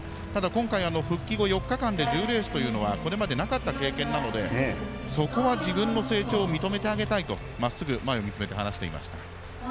今回復帰後４日間で１０レースというのはこれまで、なかった経験なのでそこは自分の成長を認めてあげたいとまっすぐ前を見つめて話していました。